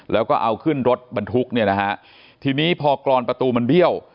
แล้วก็เอาขึ้นรถบรรทุกเนี่ยนะฮะทีนี้พอกรอนประตูมันเบี้ยว